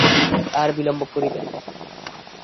আর বিলম্ব করিবেন না।